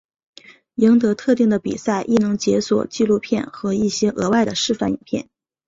赢得特定的比赛亦能解锁纪录片和一些额外的示范影片。